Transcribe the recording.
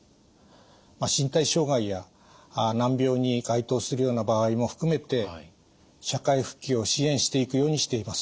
身体障害や難病に該当するような場合も含めて社会復帰を支援していくようにしています。